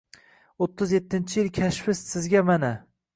O’ttiz yettinchi yil kashfi sizga mana —